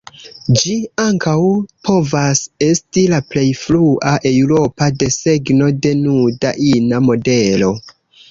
Ĝi ankaŭ povas esti la plej frua eŭropa desegno de nuda ina modelo.